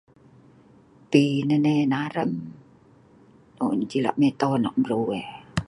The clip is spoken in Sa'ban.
pi nai ena rem, non ceh lak meton nok breu wae